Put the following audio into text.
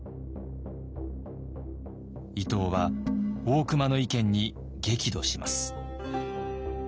伊藤は大隈の意見に激怒します。